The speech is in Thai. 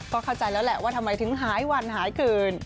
ก็เข้าใจแล้วแหละว่าทำไมถึงหายวันหายคืน